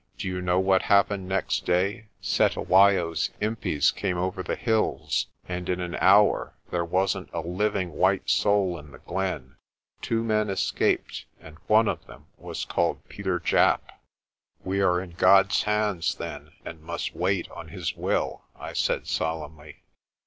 Do you know what happened next day? Cetewayo's impis came over the hills, and in an hour there wasn't a living white soul in the glen. Two men escaped and one of them was called Peter Japp." "We are in God's hands then, and must wait on His will," I said solemnly.